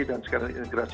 dan sekarang integrasi